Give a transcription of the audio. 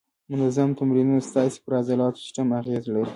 منظم تمرینونه ستاسې پر عضلاتي سیستم اغېزه لري.